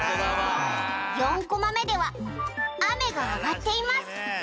「４コマ目では雨が上がっています」